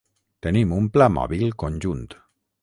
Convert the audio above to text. Tenim un pla mòbil conjunt.